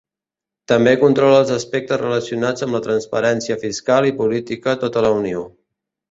També controla els aspectes relacionats amb la transparència fiscal i política a tota la unió.